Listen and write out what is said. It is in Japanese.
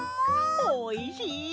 おいしい！